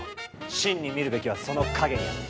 真に見るべきはその影にある。